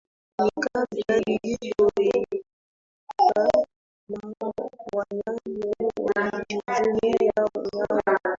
Ni kabila lililoheshimika na wanyambo walijivunia Unyamb